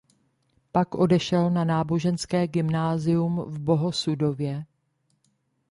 Pak odešel na náboženské gymnázium v Bohosudově.